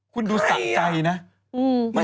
คุณดูสะใจนะไม่สิอยากรู้เป็นใคร